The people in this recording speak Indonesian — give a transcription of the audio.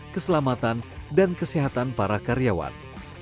keselamatan dan kesehatan para karyawan